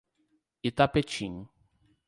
Itapetim